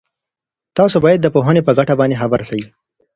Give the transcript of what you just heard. تاسو باید د پوهني په ګټه باندي خبر سئ.